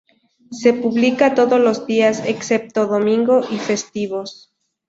Se publica todos los días excepto domingo y festivos.